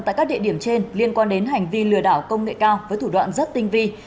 tại các địa điểm trên liên quan đến hành vi lừa đảo công nghệ cao với thủ đoạn rất tinh vi